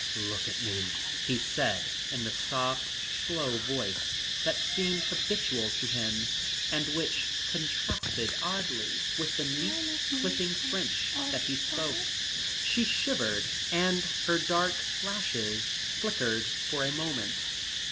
"Look at me," he said in the soft slow voice that seemed habitual to him, and which contrasted oddly with the neat, clipping French that he spoke. She shivered and her dark lashes flickered for a moment.